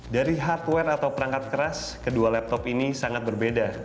dari hardware atau perangkat keras kedua laptop ini sangat berbeda